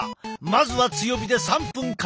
まずは強火で３分加熱。